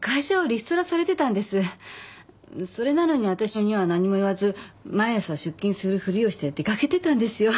それなのに私には何も言わず毎朝出勤するふりをして出掛けてたんですよ。